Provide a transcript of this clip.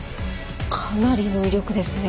かなりの威力ですね。